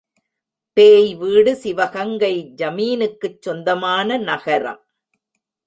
பேய் வீடு சிவகங்கை, ஜமீனுக்குச் சொந்தமான நகரம்.